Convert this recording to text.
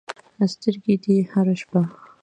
سترګې دې هره شپه